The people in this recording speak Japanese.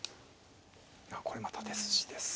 これまた手筋ですよ。